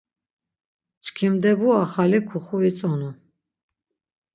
Çkimdebura xali kuxuitzonu.